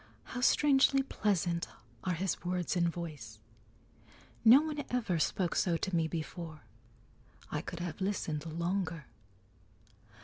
"How strangely pleasant are his words and voice! No one ever spoke so to me before. I could have listened longer."